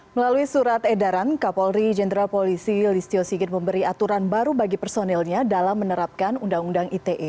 melalui surat edaran kapolri jenderal polisi listio sigit memberi aturan baru bagi personilnya dalam menerapkan undang undang ite